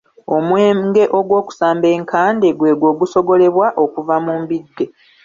Omwenge ogwokusamba enkande gwegwo ogusogolebwa okuva mu mbidde.